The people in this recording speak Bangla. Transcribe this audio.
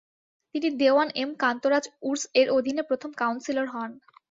তিনি দেওয়ান এম কান্তরাজ উরস এর অধীনে প্রথম কাউন্সিলর হন।